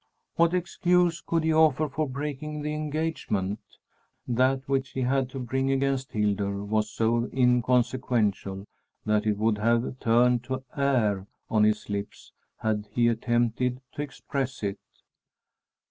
What excuse could he offer for breaking the engagement? That which he had to bring against Hildur was so inconsequential that it would have turned to air on his lips had he attempted to express it.